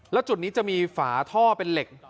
แล้วจุดนี้จะมีฝาท่อเป็นเหล็ก